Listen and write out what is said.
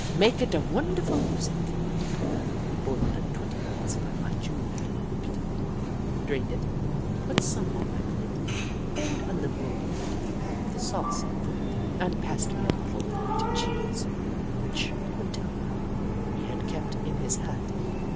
" Maka da wonderful moosic !" Hoop La 163 He boiled it twenty minutes by my jewelled repeater, drained it, put some on my plate, poured a liberal quantity of the sauce over it, and passed me a bottle of grated cheese, which, until now, he had kept in his hat.